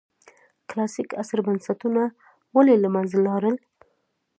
کلاسیک عصر بنسټونه ولې له منځه لاړل.